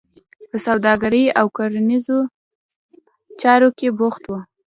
په سوداګرۍ او کرنیزو چارو کې بوخته وه.